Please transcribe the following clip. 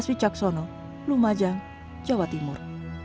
salah satunya adalah misnan sang ayah